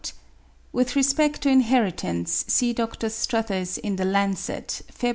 With respect to inheritance, see Dr. Struthers in the 'Lancet,' Feb.